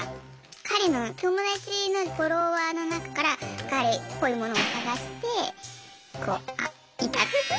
彼の友達のフォロワーの中から彼っぽいものを探してこうあっいたって。